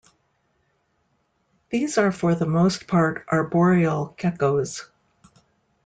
These are for the most part arboreal geckos.